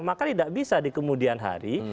maka tidak bisa di kemudian hari